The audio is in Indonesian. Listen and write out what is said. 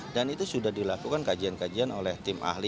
dan itu sudah dilakukan kajian kajian oleh tim ahli